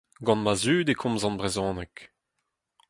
Gant ma zud e komzan brezhoneg.